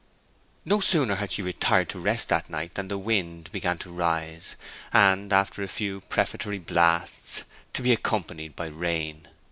No sooner had she retired to rest that night than the wind began to rise, and, after a few prefatory blasts, to be accompanied by rain.